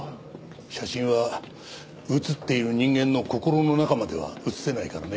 写真は写っている人間の心の中までは写せないからね。